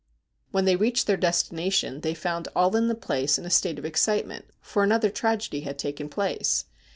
When they reached their destination they found all in the place in a state of excitement, for another tragedy had taken place.